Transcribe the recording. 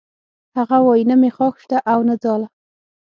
هغه وایی نه مې خاښ شته او نه ځاله